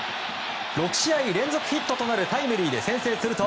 ６試合連続ヒットとなるタイムリーで先制すると